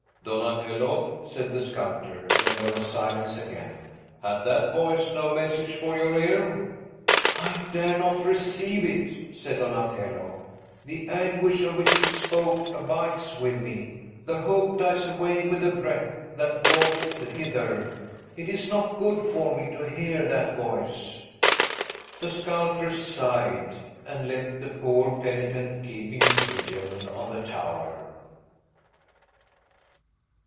"Donatello," said the sculptor, when there was silence again, "had that voice no message for your ear?" "I dare not receive it," said Donatello; "the anguish of which it spoke abides with me: the hope dies away with the breath that brought it hither. It is not good for me to hear that voice." The sculptor sighed, and left the poor penitent keeping his vigil on the tower.